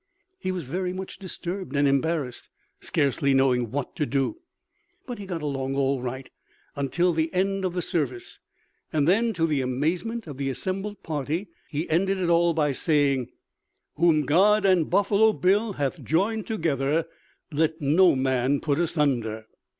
He was very much disturbed and embarrassed, scarcely knowing what to do, but he got along all right until the end of the service, and then, to the amazement of the assembled party, he ended all by saying: "Whom God and Buffalo Bill hath joined together, let no man put asunder."